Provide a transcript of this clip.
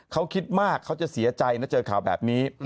เขาคิดมากเขาจะเสียใจนะเจอข่าวแบบนี้